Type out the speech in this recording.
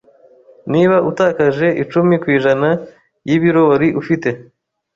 Niba utakaje icumi kw’ijana y’ibiro wari ufite